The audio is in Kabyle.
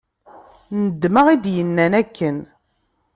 Nedmeɣ i d-yennan akken.